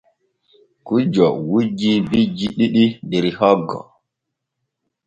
Gujjo wujji bijji ɗiɗi der hoggo.